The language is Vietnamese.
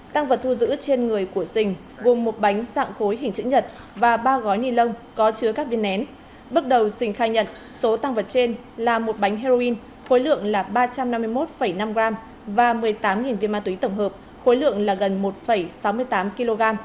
tăng vật thu giữ trên người của sình gồm một bánh sạng khối hình chữ nhật và ba gói ninh lợi